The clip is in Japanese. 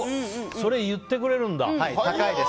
それ言ってくれるんだ。